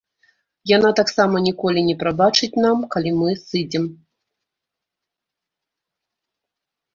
Яна таксама ніколі не прабачыць нам калі мы сыдзем.